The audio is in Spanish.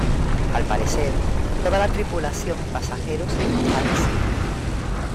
Al parecer toda la tripulación y pasajeros han fallecido.